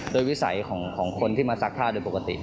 โดยวิสัยของคนที่มาซักผ้าโดยปกติ